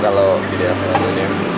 kalo di daerah saya dunia